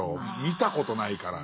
見たことないから。